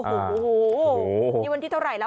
โอ้โหนี่วันที่เท่าไหร่แล้ว